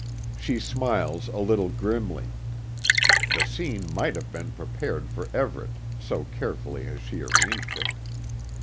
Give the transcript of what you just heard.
She smiles a little grimly. The scene might have been prepared for Everet so carefully has she arranged it.